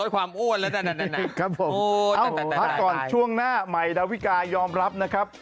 ความอ้วนแล้วกันครับผมเอ้าพักก่อนช่วงหน้าใหม่ดาวิกายอมรับนะครับ